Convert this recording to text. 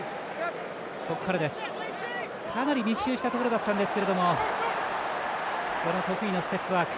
かなり密集したところだったんですけども得意のステップワーク。